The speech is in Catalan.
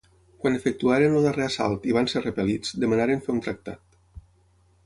Quan efectuaren el darrer assalt i van ser repel·lits, demanaren fer un tractat.